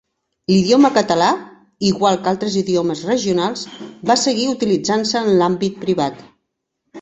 L'idioma català, igual que altres idiomes regionals, va seguir utilitzant-se en l'àmbit privat.